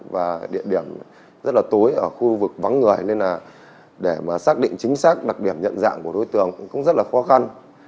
và địa điểm rất là tối ở khu vực vắng người nên là để mà xác định chính xác đặc điểm nhận dạng của đối tượng cũng rất là khó khăn